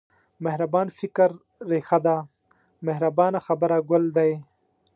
مهربان فکر رېښه ده مهربانه خبره ګل دی.